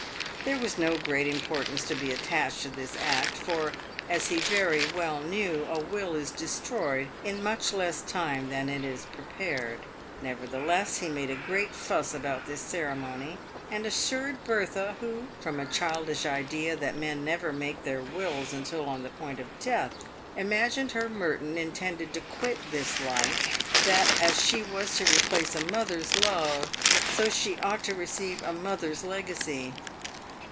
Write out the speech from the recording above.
There was no great importance to be attached to this act, for, as he very well knew, a will is destroyed in much less time than it is prepared. Nevertheless, he made a great fuss about this ceremony, and assured Bertha — who, from a childish idea that men never make their wills until on the point of death, ima gined her Merton intended to quit this life — that as she was to replace a mother's love, so she ought to receive a mother's legacy.